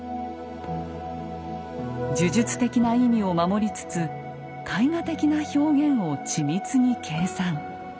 呪術的な意味を守りつつ絵画的な表現を緻密に計算。